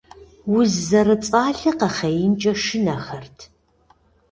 Уз зэрыцӀалэ къэхъеинкӀэ шынэхэрт.